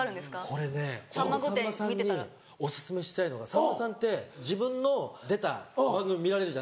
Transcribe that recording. これねホントさんまさんにお薦めしたいのがさんまさんって自分の出た番組見られるじゃないですか。